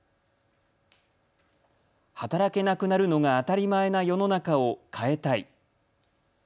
働けなくなるのが当たり前な世の中を変えたい。